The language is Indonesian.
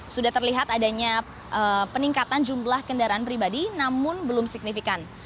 sudah terlihat adanya peningkatan jumlah kendaraan pribadi namun belum signifikan